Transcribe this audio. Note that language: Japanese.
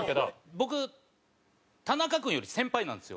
僕、田中君より先輩なんですよ。